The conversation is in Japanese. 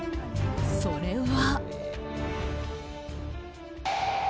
それは。